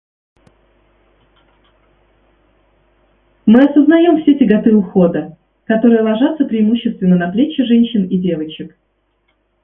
Мы осознаем все тяготы ухода, которые ложатся преимущественно на плечи женщин и девочек.